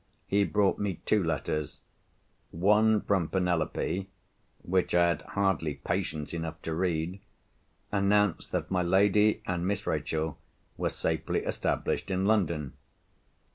He brought me two letters. One, from Penelope (which I had hardly patience enough to read), announced that my lady and Miss Rachel were safely established in London.